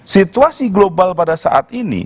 situasi global pada saat ini